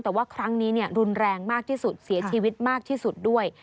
แต่ว่าครั้งนี้รุนแรงมากที่สุดเสียชีวิตมากที่สุดด้วย